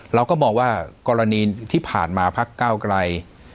เราก็มองว่ากรณีที่ผ่านมาพักเก้าไกล